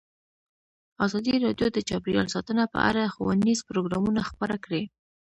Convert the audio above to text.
ازادي راډیو د چاپیریال ساتنه په اړه ښوونیز پروګرامونه خپاره کړي.